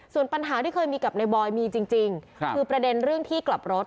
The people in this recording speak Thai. ส่วนปัญหาที่เคยมีกับในบอยมีจริงคือประเด็นเรื่องที่กลับรถ